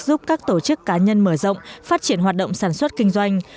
giúp các tổ chức cá nhân mở rộng phát triển hoạt động sản xuất kinh doanh